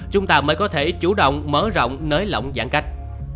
chúng ta mới có thể chủ động mở rộng nới lỏng giãn cách